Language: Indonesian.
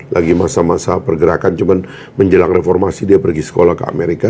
lagi masa masa pergerakan cuma menjelang reformasi dia pergi sekolah ke amerika